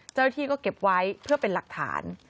เจ้าหน้าที่ก็เก็บไว้เพื่อเป็นหลักฐาน